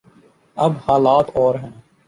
اب حالات اور ہیں۔